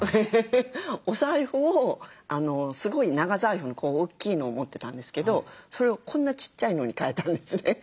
お財布をすごい長財布の大きいのを持ってたんですけどそれをこんなちっちゃいのに替えたんですね。